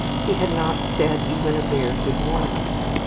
He had not said even a bare "Good morning."